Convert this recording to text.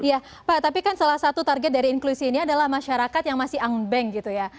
iya pak tapi kan salah satu target dari inklusi ini adalah masyarakat yang masih angunbank gitu ya